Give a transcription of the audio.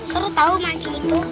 seru tau mancing itu